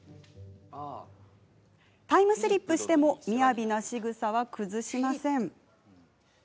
タイムスリップしてもみやびなしぐさは崩しません。